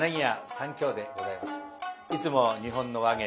いつも「日本の話芸」